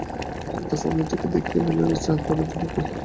আর এক দফা মতিকে দেখিয়া বলে, চা করো দিকি বৌদি।